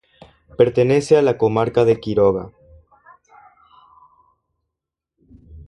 Pertenece a la Comarca de Quiroga.